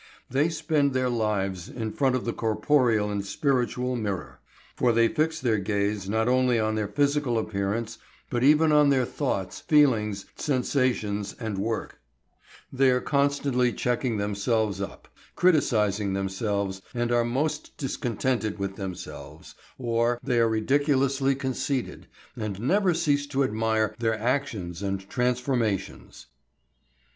They spend their lives in front of the corporeal and spiritual mirror. For they fix their gaze not only on their physical appearance, but even on their thoughts, feelings, sensations, and work; they are constantly checking themselves up, criticising themselves, and are most discontented with themselves, or they are ridiculously conceited, and never cease to admire their actions and transformations.